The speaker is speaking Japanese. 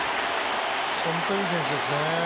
本当にいい選手ですね。